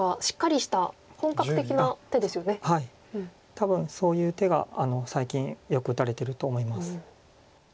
多分そういう手が最近よく打たれてると思います。